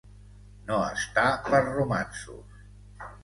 No estar per romanços.